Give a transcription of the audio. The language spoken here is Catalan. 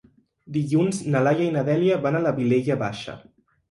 Dilluns na Laia i na Dèlia van a la Vilella Baixa.